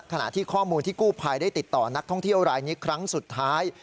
ขณะที่ข้อมูลที่กู้ภัยได้ติดต่อนักท่องเที่ยวรายนี้ครั้งสุดท้าย